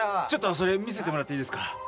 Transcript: ちょっとそれ見せてもらっていいですか？